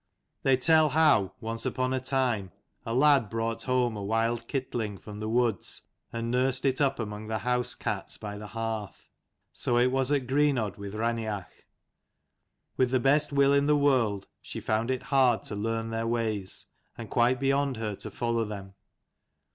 They tell how, once upon a time, a lad brought home a wild kitling from the woods, and nursed it up among the the hearth. So it was at Greenodd with Raineach. With the best will in the world, she found it hard to learn their ways, and quite beyond her to follow them.